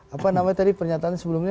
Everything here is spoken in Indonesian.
apa namanya tadi pernyataan sebelumnya